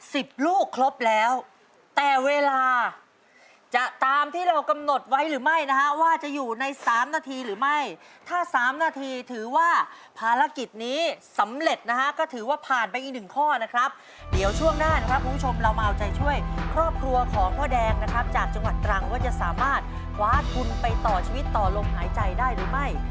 สิบลูกครบแล้วแต่เวลาจะตามที่เรากำหนดไว้หรือไม่นะฮะว่าจะอยู่ในสามนาทีหรือไม่ถ้าสามนาทีถือว่าภารกิจนี้สำเร็จนะฮะก็ถือว่าผ่านไปอีกหนึ่งข้อนะครับเดี๋ยวช่วงหน้านะครับคุณผู้ชมเรามาเอาใจช่วยครอบครัวของพ่อแดงนะครับจากจังหวัดตรังว่าจะสามารถคว้าทุนไปต่อชีวิตต่อลมหายใจได้หรือไม่